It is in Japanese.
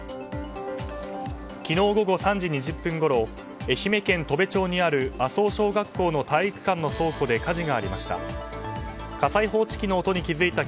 昨日午後３時２０分ごろ愛媛県砥部町にある麻生小学校の体育館の倉庫で火事がありました。